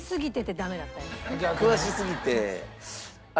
詳しすぎて。